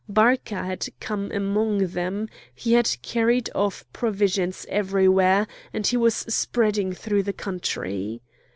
Barca had come among them. He had carried off provisions everywhere, and he was spreading through the country.